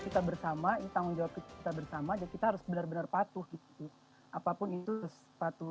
kita bersama ini tanggung jawab kita bersama dan kita harus benar benar patuh gitu apapun itu sepatu